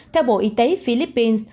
theo bộ y tế philippines